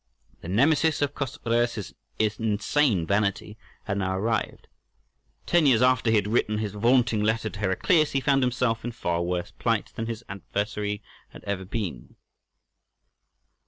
The Nemesis of Chosroës' insane vanity had now arrived. Ten years after he had written his vaunting letter to Heraclius he found himself in far worse plight than his adversary had ever been.